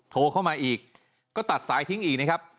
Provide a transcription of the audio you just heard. โทรเข้ามาอีกก็ตัดสายทิ้งอีกนะครับ